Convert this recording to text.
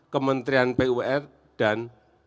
kementerian pupr dan